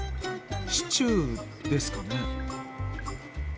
シチューですかね？